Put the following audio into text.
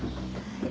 はい。